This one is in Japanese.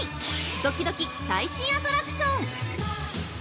ドキドキ最新アトラクション。